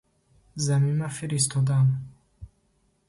Замима фиристодам.